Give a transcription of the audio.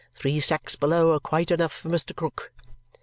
Three sacks below are quite enough for Mr. Krook!"